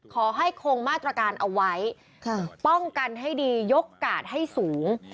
ขอให้คงมาตรการเอาไว้ป้องกันให้ดียกกาดให้สูง